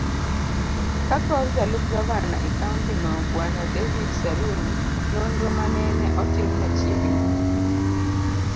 kakor jalup Gavana e kaonti no Bw.David Saruni nonro manene otim machiegni